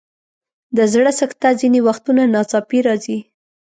د زړه سکته ځینې وختونه ناڅاپي راځي.